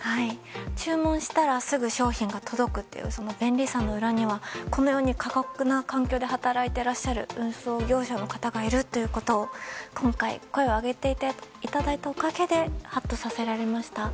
注文したらすぐ商品が届くという便利さの裏には、このように過酷な環境で働いていらっしゃる運送業者の方がいるということを今回声を上げていただいたおかげでハッとさせられました。